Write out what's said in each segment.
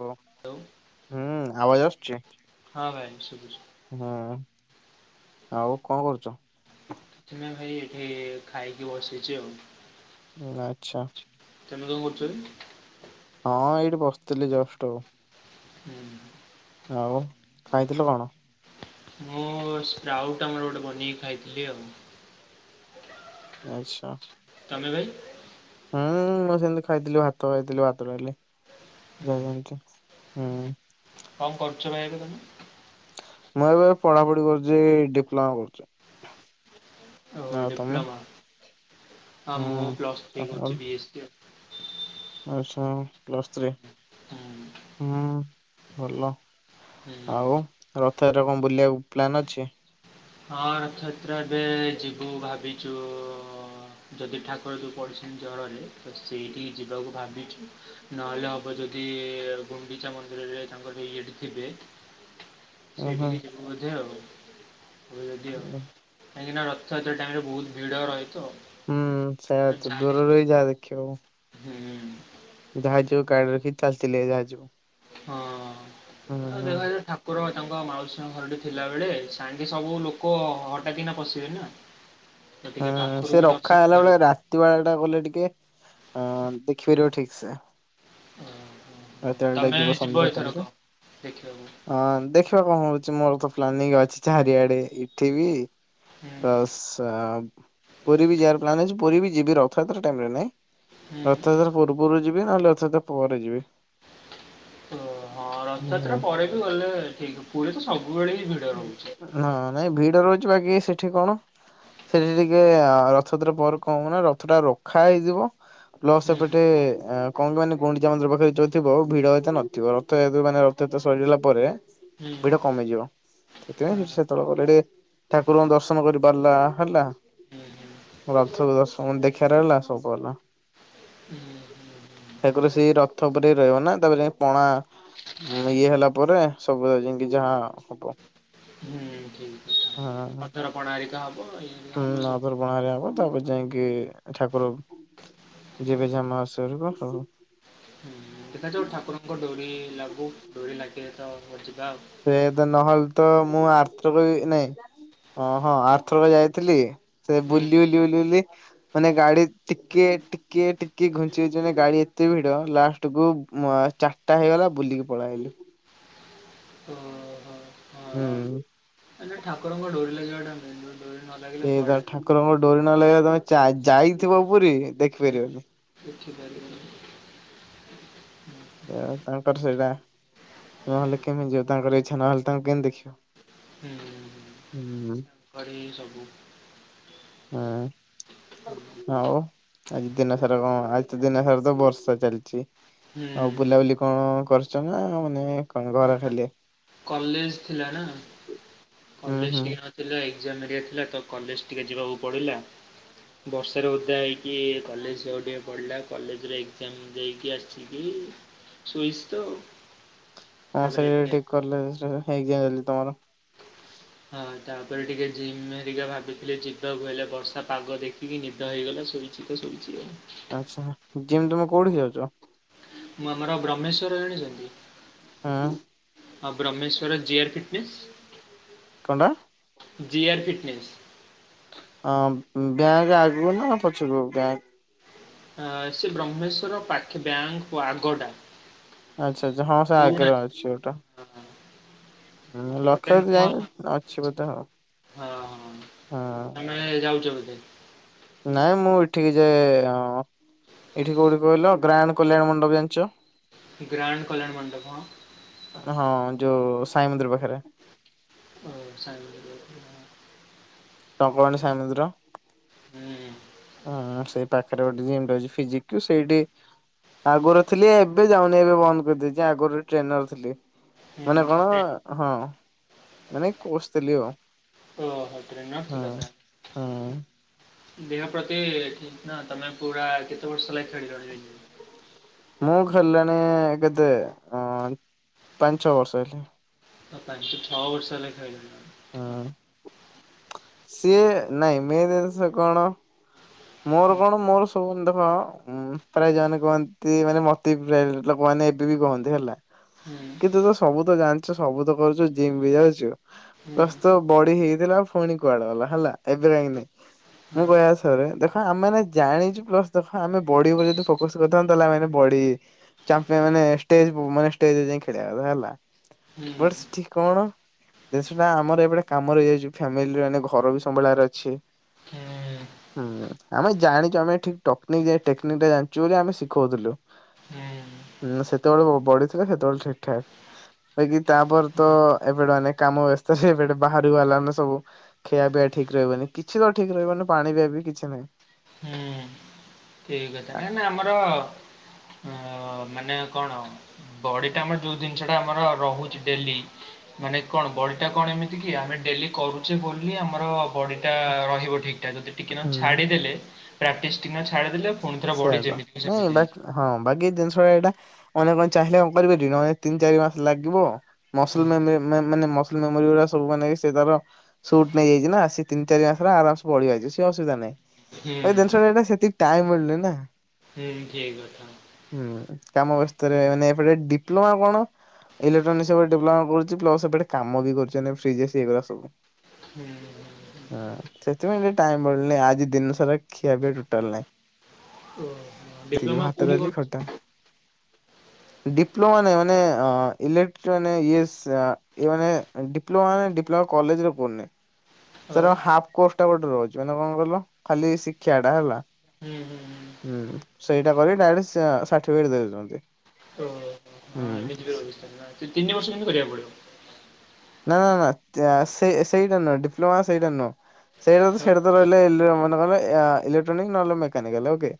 କୁହ ହ୍ୟାଲୋ ହୁଁ ଆବାଜ ଆସୁଚି? ହଁ ଭାଇ ଶୁଭୁଛି। ହୁଁ ଆଉ କଣ କରୁଚ? କିଛି ନାଇ ଭାଇ ଏଇଠି ଖାଇକି ବସିଚି ଆଉ। ଆଚ୍ଛା। ତେମେ କଣ କରୁଚ କି? ହଁ ଏଇଠି ବସିଥିଲି ଜଷ୍ଟ ଆଉ। ହୁଁ। ଆଉ ଖାଇଥିଲ କଣ? ମୁଁ ସ୍ପ୍ରାଉଟ୍ ମୋର ଗୋଟେ ବନେଇକି ଖାଇଥିଲି ଆଉ। ଆଚ୍ଛା। ତମେ ଭାଇ ମୁଁ ସେମିତି ଖାଇଥିଲି ଭାତ ଖାଇଥିଲି ଭାତଡାଲି। ହୁଁ ହୁଁ [unintelligible] ହୁଁ। କଣ କରୁଚ ଭାଇ ଏବେ ତମେ? ମୁଁ ଏବେ ପଢାପଢି କରୁଚି ଡିପ୍ଲୋମା କରୁଚି। ଓ ଆଉ ତମେ ଡିପ୍ଲୋମା। ହୁଁ। ହଁ ମୁଁ ପ୍ଲସ୍ ଥ୍ରୀ କରୁଛି [unintelligible] ବି ଏସ୍ ସି ଆଉ। ମୋର ପ୍ଲସ୍ ଥ୍ରୀ। ହୁଁ ହୁଁ ଭଲ। ହୁଁ। ଆଉ ରଥଯାତ୍ରା ରେ କଣ ବୁଲିବାକୁ ପ୍ଲାନ୍ ଅଛି? ହଁ ରଥାଯାତ୍ରା ଏବେ ଯିବୁ ଭାବିଚୁ, ଯଦି ଠାକୁର ଯୋଉ ପଡିଛନ୍ତି ଜରରେ ସେଇଠିକି ଯିବାକୁ ଭାବିଚୁ ନହେଲେ ହବ ଯଦି ଗୁଣ୍ଡିଚା ମ [unintelligible] ତାଙ୍କର ଇଏଟି ଥିବେ। [inaudible] ହୁଁ ସେଇଠିକି ଯିବୁ ବୋଧେ ଆଉ। [unintelligible] ଉଁ, କାହିଁକି ନା ରଥଯାତ୍ରା ଟାଇମରେ ବହୁତ ଭିଡ଼ ରହି ହୁଁ ସେଇ ତ ଦୂରରୁ ରହି ଯାହା ଦେଖିବ। ହୁଁ। [unintelligible] ହୁଁ ହଁ ହୁଁ ଦେଖାଯାଉ ଠାକୁର ତାଙ୍କ ମାଉସୀଙ୍କ ଘରଠି ଥିଲାବେଳେ ସାଙ୍ଗେ ସବୁ ଲୋକ ହଠାତ୍ କିନା ପଶିବେ ନା। ତ ଟିକେ ହୁଁ ପାଖରୁ ସେ ବି ରଖା ଦର୍ଶନ ହେଲା କରିବେ। ବେଳେ ରାତି ବେଳା ଟା ଗଲେ ଟିକେ ହଁ ଦେଖିପାରିବ ଠିକ୍ ସେ। ଆଉ ତମେ ବା ଯିବ ସନ୍ଧ୍ୟା ଟାଇମ ରେ। ଦେଖିବାକୁ ହଁ ଦେଖିବା କଣ ହଉଛି ମୋର ତ ପ୍ଲାନିଂ ଅଛି ଚାରିଆଡେ ଏଠି ବି ହୁଁ ପ୍ଲସ ପୁରୀ ବି ଯିବାର ପ୍ଲାନ ଅଛି। ପୁରୀ ବି ଯିବି ରଥଯାତ୍ରା ଟାଇରେ ନାଇଁ ହୁଁ ରଥଯାତ୍ରା ପୂର୍ବରୁ ଯି ମୁଁ ନହେଲେ ରଥାଯାତ୍ରା ପରେ ଯିବି। ଓ ହଁ ରଥଯାତ୍ରା ହୁଁ। ପରେ ବି ଗଲେ ଠିକ ପୁରୀ ତ ସବୁବେଳେ ବି ଭିଡ ରହୁଚି। ହଁ ନାଇଁ ଭିଡ ରହୁଛି ବାକି ସେଠି କଣ ସେଇ ଦିନିକିଆ ରଥଯାତ୍ରା ପରେ କଣ ହବ ନା ରଥଟା ରଖା ହେଇଥିବ। [unintelligible] ସେ ହୁଁ ପଟେ କଣ କାହାନି ଗୁଣ୍ଡିଚା ମନ୍ଦିର ପାଖରେ ଯଉ ଥିବ ଭିଡ ଏତେ ନଥିବ ରଥ ମାନେ ରଥୟାତ୍ରା ସରିିଗଲା ପରେ ହୁଁ ଭିଡ କମିଯିବ। ଆ ସେଥିପାଇଁ ସେତେବେଳେ ଗଲେ ଟିକେ ଠାକୁରଙ୍କ ଦର୍ଶନ କରି ପାରିଲା। ହେଲା। ହୁଁ ହୁଁ ରଥ ଦେଖିବାର ହେଲା, ସବୁ ହେଲା। ହୁଁ ହୁଁ ହୁଁ ଠାକୁର ସେଇ ରଥ ଉପରେ ରହିବ ନା। ତାପରେ ଯାଇ ପଣା ମୁଁ ଇଏ ହେଲା ପରେ ସବୁ ଯାଇକି ଯାହା ହବ। ହୁଁ। ଠିକ୍ କଥା ହୁଁ। [unintelligible] ହେରିକା ହୁଁ ହବ ସବୁ ଅଧର ପଣା ହେଲେ ହବ ତାପରେ ଯାଇକି କି ଠାକୁର ଯିବେ ଯାହା ମାଉସୀ ଘରକୁ ହୁଁ ଦେଖାଯାଉ ଠାକୁରଙ୍କ ଡୋରି ଲାଗୁ, ଡୋରି ଲାଗିଲେ ତ ଯିବା ଆଉ। ସେଇଆ ତ ନହେଲେ ତ ମୁଁ ଆର ଥର ବି ନାଇଁ ଓ ହଁ ଆରଥରକ ଯାଇଥିଲି ସେ ହୁଁ ବୁଲି, ବୁଲି, ବୁଲି, ବୁଲି ମାନେ ଗାଡି ଟିକେ ଟିକେ ଟିକେ ଘୁଞ୍ଚି ଘୁଞ୍ଚି କି ମାନେ ଗାଡି ଏତେ ଭିଡ ଲାଷ୍ଟକୁୁ ମୁଁ ଆ ଚାରିଟା ହେଇଗଲା ବୁଲିକି ପଳେଇ ଆଇଲି। ହୁଁ। ହେ ନାଁ ଠାକୁରଙ୍କ ଡୋରି ଲାଗିବା ଟା ମେନେ ବା। ସେ ତ ଠାକୁରଙ୍କ ଡୋରି ନ ଲାଗିଲେ ତମେ ଯା ଯାଇଥିବ ପୁରୀ ଦେଖିପାରିବନି। ଦେଖିପାରିବନି। ହୁଁ ସେଆ ତାଙ୍କ ର ସେଇଟା। ହୁଁ ହୁଁ। ନହେଲେ କେମିତି ଯିବ ତାଙ୍କର ଇଚ୍ଛା ନହେଲେ ତାଙ୍କୁ କେମିତି ଦେଖିବ। ହୁଁ! ଏଇ ସବୁ। ହଁ। ହୁଁ ହଉ ଆଜି ଦିନ ସାରା କଣ ଆଜି ତ ଦିନ ସାରା ତ ବର୍ଷା ଚାଲିଛି। ଆଉ ବୁଲାବୁଲି କଣ କରିଛ ନା ମାନେ କଣ ଘରେ ନା ଖାଲି? କଲେଜ ଥିଲା ନା। ହୁଁ କଲେଜ ହୁଁ। ଟିକେ ନଥିଲେ ଏକ୍ଜାମ୍ ହେରିକା ଥିଲା ତ କଲେଜ ଟିକେ ଯିବାକୁ ପଡ଼ିଲା। ବର୍ଷାରେ ଓଦା ହେଇକି କଲେଜ ଯିବାକୁ ଟିକେ ପଡ଼ିଲା। କଲେଜରେ ଏକ୍ଜାମ ଦେଇକି ଆସିକି ହଁ। ଶୋଇସ୍ ତ। ହଁ ସେ ତାପରେ ଟିକେ ଠିକ କଲେ ସେ [unintelligible] ତମର। ହଁ ତାପରେ ଟିକେ ଜିମ୍ ହେରିକା ଭାବିଥିଲେ ଯିବାକୁ। ହେଲେ ବର୍ଷା ପାଗ ଦେଖିକି ନିଦ ହେଇଗଲା ଶୋଇଛି ତ ଶୋଇ [unintelligible] ଆଚ୍ଛା, ଜିମ୍ ତୁମେ କୋଉଠି ଯାଉଛ? ମୁଁ ଆମର ବ୍ରହ୍ମେଶ୍ଵର ଜାଣିଛନ୍ତି? ଆ। ଆଉ ବ୍ରହ୍ମେଶ୍ଵରେ ଜି ଆର ପି ଫିସ୍ କଣଟା? G R P fees. ହଁ ବ୍ୟାଙ୍କ ଆଗୁକୁ ନା ପଛକୁ ବ୍ୟାଙ୍କ? ଅ ସେ ବ୍ରହ୍ମେଶ୍ଵର ପାଖେ ବ୍ୟାଙ୍କ ଓ ଆଗଟା। ଆଚ୍ଛା। ଆଚ୍ଛା! ହଁ ସେ ପୁରୁଣା ଆଗରେ ଅଛି ଗୋଟେ। ହଁ ଗୋଟେ ଲକ୍ଷ ଯାଇନି ଅଛି ବ ହଁ-ଅ-ଅ-ଅ ତମେ ଯାଉଛ ବୋଧେ। ନାଇଁ ମୁଁ ଏଠିକି ଯାଏ-ଏ-ଏ-ଏ ଅ ଏଠି କୋଉଠି କହିଲ ଗ୍ରାନ୍ଡ କଲ୍ୟାଣ ମଣ୍ଡପ ଜାଣିଛ? ଗ୍ରାଣ୍ଡ କଲ୍ୟାଣ ମଣ୍ଡପ। ଯୋଉ-ଉ-ଉ ସାଇ ମନ୍ଦିର ପାଖରେ। ଓ ସାଇ ମନ୍ଦିର ପାଖରେ। ଟଙ୍କ ପାଣି ସାଇ ମନ୍ଦିର। ହୁଁ। ହଁ ସେଇ ପାଖରେ ଗୋଟେ ଜିମ ଟେ ଅଛି ଫିିଜିକ ତ ସେଇଠି ଆଗରୁ ଥିଲି ଏବେ ଯାଉନି ଏବେ ବନ୍ଦ କରିଦେଇଛି ଆଗରୁ ଟ୍ରେନର ଥିଲି। ମାନେ କଣ-ଅ-ଅ ହଁ ମାନେ କୋସ ଥିଲି ଆଉ। ଓ ହୋ ଟ୍ରେନର୍ ହୁଁ। ଥିଲ ହୁଁ ତାହେଲେ। ଦେହ ପ୍ରତି ଠିକ ନା ତମେ ପୁରା କେତେ ବର୍ଷ ହେଲାଇ ଖେଳିଲଣି ଯାଇକି। ମୁଁ ଖେଲିଲିନି କେତେ ଅ ପାଞ୍ଚ ଛଅ ବର୍ଷ ହେଲା। ହ ପାଞ୍ଚ ଛଅ ବର୍ଷ ହେଲା ଖେଲିଲଣି। ହ, ସିଏ ନାଇଁ ମେନ୍ ଜିନିଷ କଣ। ମୋର ହୁଁ କଣ ମୋର [unintelligible] ପ୍ରାୟ ଜମାନେ କୁହନ୍ତି ମାନେ ମତେ ବି ପ୍ରାୟ ଲୋକମାନେ ଏବେ ବି କୁହନ୍ତି ହେଲା କିନ୍ତୁ ତ ସବୁ ତ ଜାଣିଛ ସବୁ ତ କରୁଛ ଜିମ୍ ବି ଯାଉଛୁ ହୁଁ ପ୍ଲସ ତୋ ବଡି ହେଇଥିଲା ପୁଣି କୁଆଡେ ଗଲା ହେଲା ଏବେ କଁ ହୁଁ ନାଇଁ ମୁଁ ହଁ କହିବା ହିସାବରେ ହଁ ଆମେମାନେ ଜାଣିଚୁ ପ୍ଲସ ଦେଖ ଆମେ ବଡି ଉପରେ ଯଦି ଫୋକସ କରିଥାନ୍ତେ ତାହେଲେ ମାନେ ଏବେ ବଡି ଚାମ୍ପିଅନ ମାନେ ମାନେ ଷ୍ଟେଜ ବୁ ମାନେ ଷ୍ଟେଜରେ ଯାଇ ଖେଳିବା ଖେଳିବାକୁ ଏବେ ହେଲା ହୁଁ ହୁଁ ବଟ ସେଠି କଣ ଜିନଷଟା ଆମର ଏପଟେ କାମରେ ହେଇଯାଇଚି ଫ୍ୟାମିଲି ମାନେ ଘର ବି ସମ୍ଭାଳିବାର ଅଛି। ହୁଁ ହୁଁ। ଆମେ ଜାଣିଚୁ ଆମେ ଠିକ ଟପନିକ ଏ ଟେକନିକଟା ଜାନଚୁ ବୋଲି ଆମେ ଶିଖଉଥିଲୁ। ହୁଁ ଉଁ ସେତେବେଳେ ବ ବଡିଥିଲା ସେତେବେଳେ ଠିକ ଠାକ। ହେ କି ତାପରେ ତ ଏପଟେ ଅନେକ କାମ ବ୍ୟବସ୍ଥା [unintelligible] ବାହାରୁକୁ ବାହାଲାନା ସବୁ ଖିଆ ପିଆ ଏ ଠିକ ରହିବନି କିଛି ତ ଠିକ ରହିବନି ପାଣି ପିଆ ପି କିଛି ନାଇ। ଠିକ କଥା ନାଇଁ ନା ଆମର ଅ ମାନେ କଣ ବଡିଟା ଆମର ଯୋଉ ଦିନଷ ଟା ଆମର ରହୁଛି ଡେଲି ମାନେ କଣ ବଡି ଟା କଣ ଏମିତି କି ଆମେ ଡେ- ଡେଲି କରୁଚେ ବୋଲି ଆମର ବଡି ଟା ରହିବ ଠିକ ଠିକା ଯଦି ଟିକେ ନାକୁ ହୁଁ ଛାଡିଦେଲେ ପ୍ରେକ୍ଟିସ ଟିନା ଚେ ସେଆତ ନାଇଁ ବାକି ହଁ ବାକି ଦିନଷ ତ ଏଟା ଜଣେ ଚାହିଁଲେ କଣ କରିପାରିବ ଜଣେ ତିନି ଚାରି ମାସ ଲାଗିବ ମସୁରି ମିୟାମ୍ ମାନେ ମାନେ ମସଲ୍ ମେମୋରି ଗୁରା ସବୁ ମାନେ ସେ ତାର ସୁଟ୍ ନେଇଯାଇଚି ନା ସେ ତିନ ଚାର ମାସ ହେଲା ଆରାସବୁ ଅଳୀଆ ହୋଇଛି ଯାଇଚି ସିଏ ଅସୁବିଧା ନାହିଁ। ହୁଁ ଭାଇ ଜିନିଷ ଟାଏଟା ସେଠୀ ସେତିକି ଟାଇମି ମିଳୁନି ନା। ସେବି ଠିକି ଅଛନ୍ତି। ହୁଁ କାମ ବ୍ୟସ୍ତରେ ମାନେ ଏପଟେ ଡିପ୍ଲୋମା କଣ? ଇଲେକ୍ଟ୍ରୋନି ସେ ପଟେ ଡିପ୍ଲୋମା କରୁଚି ପ୍ଲସ ଏପଟେ କାମ ବି କରିଚି ମାନେ ଫ୍ରି ଯେ ସେଇ ଭଳିଆ ସବୁ। ହୁଁ ହୁଁ ହଁ ସେଥିପାଇଁ ଟିକେ ଟାଇମି ମିଳୁନି ଆଜି ଦିନ ସାରା ଖିଆ ପିଆ ଟୋଟାଲେ ନାହିଁ। ହୁଁ ଓହୋ ଏଇ ଡିପ୍ଲୋମା କୋଉଠି ଭାତଡାଲି କରୁଛୁ ଖଟା। ଡିପ୍ଲୋମା ନାଇ ମାନେ ଅ ଇଲେକ୍ଟ୍ର ମାନେ ଇଏସ୍ ଇଏ ମାନେ ଡିପ୍ଲୋମା ପ୍ଲ କଲେଜରେ ପଢନି। ଆଉ ସାର ଆ ହାଫ କୋର୍ସ ଟା ଗୋଟେ ରହୁଚି ମାନେ ଙ୍କ କିହିଲ ଖାଲି ଶିକ୍ଷା ଟା ହେଲା। ହୁଁ ହୁଁ ହୁଁ। ହୁଁ ସେଇଟା କରିକି ଡାରେକ୍ଟ ଷା ସାଠିପିକେଟ ଦେଉଚନ୍ତି। ଓହୋ ହଁ ଏମିତି ବି ହୁଁ। ରହୁଛି ତିନି ବର୍ଷ କିନ୍ତୁ କରିବାଆକୁ ପଡିବ। ନା ନା ନା ସେ ସେ ସେଇଟା ନୁହେଁ ଡିପ୍ଲୋମା ସେଇଟା ନୁହଁ। ସେଇଟା ହଁ ସେଇଟା ତ ରହିଲେ ଏଲେ ମନେକର ଅ ଇଲୋକ୍ଟ୍ରୋନିକ ନହେଲେ ମେକାନିକା ହେଲେ ଓକେ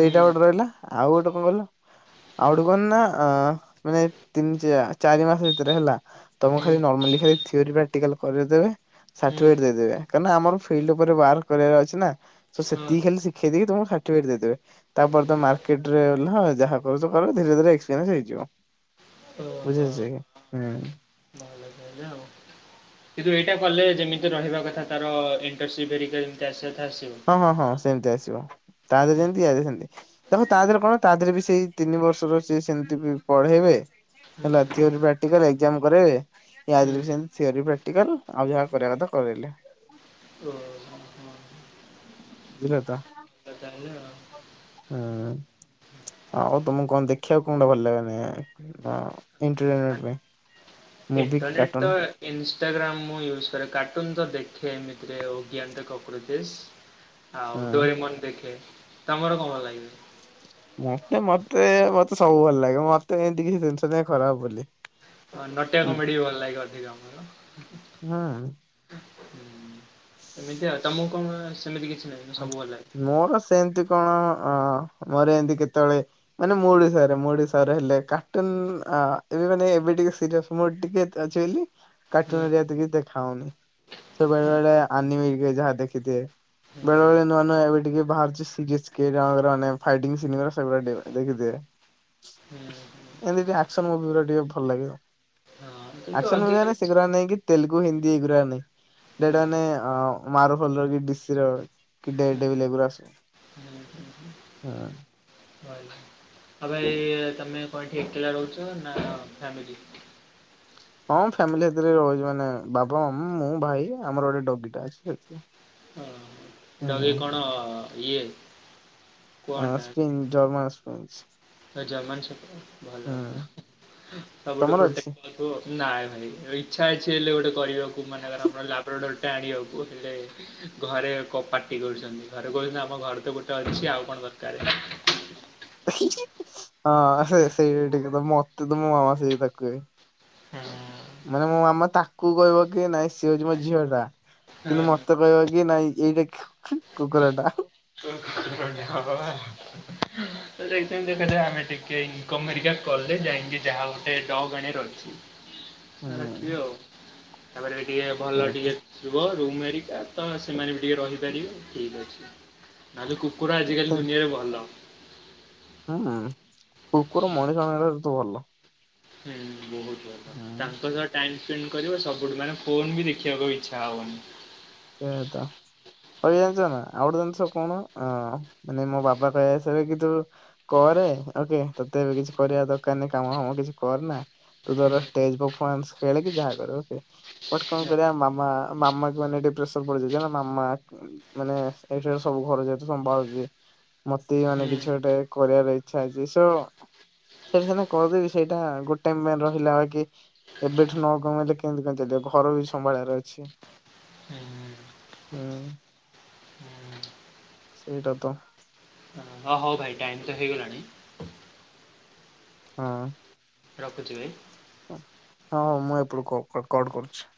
ହୁଁ ଗୋଟେ ଲା ଆଉ ଗୋଟେ ଙ୍କ କହିଲ ଆଉ ଗୋଟେ ଙ୍କ ନା ଆଁ ମାନେ ତିନ ଚା ଚାରି ମାସ ଭିତରେ ହେଲା ତମ ହୁଁ। ଖାଲିମା କାଲି ଖାଲି ଥିଉରି ପ୍ରାକ୍ଟିକାଲ କରେଇ ଦେବେ। ହୁଁ ସାଠିପିକେଟ ଦେଇେଦେବେ କାଇକିନା ଆମର ଫିଲ୍ଡ ଉପରେ ୱାର୍କ କରିବାର ଅଛି ନା ସୋ ହଁ ସେତିକି ଖାଲି ଶିଖେଇ ଦେଇକି ତମକୁ ସ୍ପିଡି ଦେଇଦେବେ ତାପରେ ମାର୍କେଟରେ ଓଲାଆ ଯାହାକରୁଚ କର ଧିପରେ ଧିରେ ଏକ୍ସପ୍ରିଏନ୍ସ ହେଇଯିବ। ବୁଝି ଓହୋ ହୋଉଛି ଆଜ୍ଞା ହୁଁ। ଏଇଆ ଆଉ କିନ୍ତୁ ଏଇଟା କଲେ ଯେମିତି ରହିବା କଥା ତାର ଇଣ୍ଟର୍ଷିପ ହେରିକା ଜେମ ଚା ହଁ ହଁ ହଁ ସେମିତି ଆସିବ। ତା ଦେହରେ ଯେମିତି ଆଦେହରେ ସେମିତି ତେଣୁ ତା ଦେହରେ କଣ ତା ଦେହରେ ବି ସେଇ ତିନି ବର୍ଷର ସିଏ ସେମିତି ବି ପଢେଇ ହୁଏ। ହୁଁ ହେଲା ଥିଓରି ପ୍ରାକ୍ଟାଲେ ଏଗେଜାମ୍ କରେ ହୁଁ ଆଦିରେ ସମିତି ସିଆରି ପ୍ରାଟିକ୍ଟାଲ ଆଉ ଯାହା କରିବା କଥା କର। ବୋଇଲେ। କୁଆଡେ ଯାଇଥିଲ? ବୁଝିଲ ତ କୁଆଡେ ଯାଇଥିଲ। ହୁଁ। ଆଉ ତମକୁ କଣ ଦେଖିବାକୁ କଉଟା ଭଲ ଲାଗେରେ ଇନ୍ତ୍ନେଟେ ପାଇଁ। ମୁଭି କି ଇଣ୍ଟରନେଟ୍ ତ କାର୍ଟୁନ ଇଜି ଇନ୍ଷ୍ଟାଗ୍ରାମ୍ ମୁଁ ୟୁଜ୍ କରେ କାର୍ଟୁନ୍ ତ ଦେଖେ ଏମିତିରେ ଓଗିଆନ୍ତେ କକୃଚେସ୍ ଆଉ ହଁ ଡୋରିମନ ଦେଖେ ତମର କଣଭଲ ଲାଗେ? ମତେ ମତେ ମତେ ସବୁ ଭଲ ଲାଗେ ମତେ ଏମତି କିଛି ଜିନିଷ ନାହିଁ ଖରାପ ବୋଲି। ନଟିଆ ହୁଁ କମେଡିୀ ଭଲ ଲାଗେ ଅଧିକ ଆମର। ହୁଁ। ହୁଁ। ଏମିତି ଆଉ ତମକୁ କଣ ସେମିତି କିଛି ନାହିଁ ସବୁ ଭଲ ଲାଗେ। ହଁ ମୋର ସେମିତି କଣ ଅଁ ମୋର ଏମିତି କେତେବେଳେ ମାନେ ମୁଡ ହିସାବରେ ମୁଡ ହିସାବ ରେହେଲେ କାଟୁନ ଆ ଏବେ ମାନେ ଏବେ ଟିକେ ସିରିଏସ ମୁଡ ଟିକେ ତ ଅଛି ବୋଲି କାର୍ଟୁନ ବେରିକା ହୁଁ ଏତେ କିଛି ଦେଖା ହଉନି। ସେ ବେଳେ ବେଳେ ଆନିମେ ହେରିକା ଯାହା ଦେଖିଥିବେ। ବେଳେ ହୁଁ। ବଳେ ନୂଆ ନୂଆ ଏବେ ଟିକେ ବାହାରୁଛିି ସିଜିଏସ କେ ରାଓ ର ମାନେ ଫାଇଟିଙ୍ଗ ସିନେମା ସେଗୁଡା ଟିକେ ଦେଖିଦିଏ। ହୁଁ। ହୁଁ ଏମୋତି ଟିକେ ଆକ୍ସନ ମୁଭି ଗୁରା ଟିକେ ଭଲ ଲାଗେ ହଁ ଆଉ କିନ୍ତୁ ଆକ୍ସନ ମୁଭି ଅଧିକା ମାନେ ହୁଁ ସେ ଗୁରା ନୁହ କି। ତେଲୁଗୁ, ହିନ୍ଦୀ ଏଇଗୁରାକ ନାଇଁ ହୁଁ ଦେଟା ମାନେ ଅଁ ମାରୁଫ ଅଲୁ ଅର୍ଜୁନ ଡି ସି ର କେଡେ କେଡେ ବିିଲ ହୁଁ ଗୁରା ଆସେ ହୁଁ ହୁଁ ହଁ। ଭଲ। ଆଉ ଭାଇ ତମେ କଣ ଏଠି ଏକେଲା ରହୁଛ ନା ଫ୍ୟାମିଲି? ହଁ ଫ୍ୟାମିଲି ସାଥିରେ ରହୁଛି ମାନେ ବାବା ଉଁ ମୁଁ ଭାଇ ଆମର ଗୋଟେ ଡଗି ଟା ଅଛି ସେତିକି ଆଉ ଓହୋ ହୁଁ ଡଗି କଣ ଇଏ ଆଉ ତିନି ଚାର ମାସ। [unintelligible] ଏଇ ଜମା ରୁ ଛୋଟ ଭଲ ଭଲ ହୁଁ ସବୁଠୁ ତମର ଅଛି? ପ୍ରୋଟେକ୍ଟ ପାଉ ଥିବ। ନାଇଁ ଭାଇ ଇଚ୍ଛା ଅଛି ହେଲେ ଗୋଟେ କରିବାକୁ ମାନେ ବା ଆମର ଲାବ୍ରୋଡର ସେଟା ଆଣିବାକୁ ହେଲେ ଘରେ କ ପାଟି କରୁଛନ୍ତି ଘରେ କହୁଛନ୍ତି ଆମ ଘରେ ତ ଗୋଟେ ଅଛି ଆଉ କଣ ଦରକାରେ। ହୀ ହି ହଁ ସେ ସେଇ ବି ଠିକ କଥା ମତେ ତ ମୋ ମାମା ସେଇ କଥା କୁହେ। ମାନେ ମୋ ମାମା ତାକୁ କହିବ କି ନାଇଁ ସିଏ ହଉଚି ମୋ ଝିଅ ଟା। କିନ୍ତୁ ମତେ କହିବ କି ନାଇଁ ଏଇଟା ଖୁ ଖୁ କୁକୁର ଟା। ହଁ ବା ନେକ୍ସଟ୍ ଟାଇମ ଦେଖା ଯାଉ ଆମେ ଟିକେ ଇନକମ ହେରୀକା କଲେ ଯାଇଁ ଏଣିକି ଯାହା ଗୋଟେ ଡଗ ଆଣିବାର ଅଛି ଅଁ ହୁଁ ରଖିବି ଆଉ ତାପରେ ଟିକେ ଭଲ ସେୟା ଟିକେ ଶୁଭ ତୁ ମେରିକା ତମେ ସେମାନେ ବି ଟିକେ ରହିପାରିବେନି ଠିକ୍ ଅଛି ନାଇ ଯଉ କୁ କୁକୁର ଆଜିକାଲି ତ ଦୁନିଆରେ ଭଲ। ହୁଁ କୁକୁର ମଣିଷ ମାନଙ୍କ ଠାରୁ ତ ଭଲ। ହୁଁ ବହୁତ ଭଲ ହୁଁ ତାଙ୍କ ସହ ଟାଇମ ଟିନ କରିବ ସବୁଠୁ ମାନେ ଫୋନ ବି ଦେଖିବାକୁ ଆଉ ଇଚ୍ଛା ହବନି। ସେୟା ତ। ଆହୁରି ଜାଣିଚ ନା ଆଉ ଗୋଟେ ଜାଣିଚ କଣ ଆଁ ମାନେ ମୋ ବାବା କହି ଆସିବେ କି ତୁ କରେ ତେ ହୋ ଓକେ ତତେ ଏବେ କିଛି କରିବା ଦରକାର ନାଇ କାମ ଫାମ କିଛି କର ନା। ତୁ ତୋର ହୁଁ ଷ୍ଟେଜ ପଫୋମାନ୍ସ ଖେଳେ କି ଯାହା କର ଓକେ ବଟ କଣ ହୁଁ କରିବା ମାମା ମାମା କୁ ମାନେ ଟି ପ୍ରେସର ପଡିଯାଉଚି ନା ମାମା ଉଁ ମାନେ ଏଇଠିର ସବୁ ଘର ଯେହେତୁ ସମ୍ଭାଳୁଛି। ମତେ ବି ମାନେ ହୁଁ। କିଛି ଗୋଟେ କରିବାର ଇଚ୍ଛା ଅଛି ସୋ। ସେଠି ସିନା କରିଦେବି ସେଇଟା ଗୋଟେ ମେଲ ରହିଲା ଅଇକି। ଏବେଠୁ ନ କମେଇଲେ କେମିତି କଣ ଚାଲିବ ଘର ବି ସମ୍ଭାଳିବାର ଅଛି। ହୁଁ। ହୁଁ। ସେଇଟା ତ। ହଁ ହଉ ଭାଇ ଟାଇମ୍ ତ ହେଇଗଲାଣି। ହଁ। ରଖୁଛିି ଭାଈ। ଉଁ ହଁ ହଉ ମୁଁ ଏପଟୁ କ-କଟ କଟ କରୁଛି।